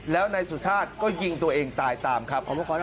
แล้วนายสุชาติก็ยิงตัวเองตายตามครับ